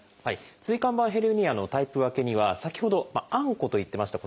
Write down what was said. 椎間板ヘルニアのタイプ分けには先ほどあんこと言ってました